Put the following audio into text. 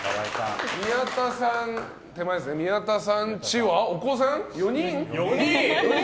宮田さんちはお子さん４人？